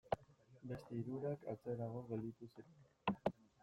Beste hirurak atzerago gelditu ziren.